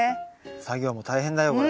作業も大変だよこれ。